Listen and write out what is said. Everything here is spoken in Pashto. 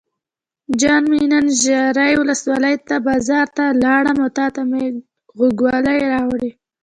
جان مې نن ژرۍ ولسوالۍ بازار ته لاړم او تاته مې ګوښال راوړل.